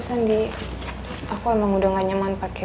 aku emang udah gak nyaman pake